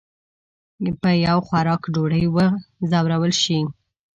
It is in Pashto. په یو خوراک ډوډۍ وځورول شي.